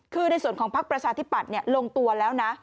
คือในส่วนของพักประชาธิปัตย์ลงตัวแล้วนะ